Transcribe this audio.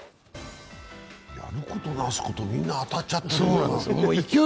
やることなすことみんな当たっちゃってる。